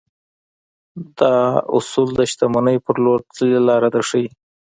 دا اصول د شتمنۍ پر لور تللې لاره درښيي.